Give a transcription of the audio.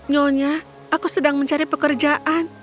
nyonya aku sedang mencari pekerjaan